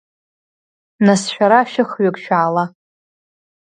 Нас шәара шәых-ҩык шәаала!